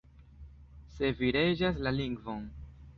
Se vi regas la lingvon.